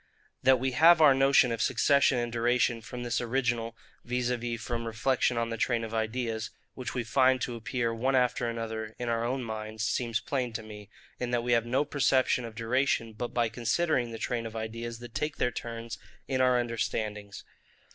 That we have our notion of succession and duration from this original, viz. from reflection on the train of ideas, which we find to appear one after another in our own minds, seems plain to me, in that we have no perception of duration but by considering the train of ideas that take their turns in our understandings.